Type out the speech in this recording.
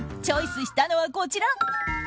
チョイスしたのはこちら！